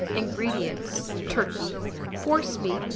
INGREDIENTS. Turkey; forcemeat No.